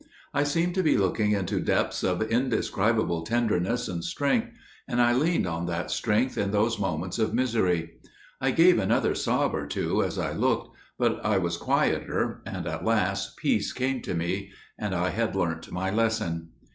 I seemed to be looking into depths of indescribable tenderness and strength, and I leaned on that strength in those moments of misery. I gave another sob or two as I looked, but I was quieter, and at last peace came to me, and I had learnt my lesson.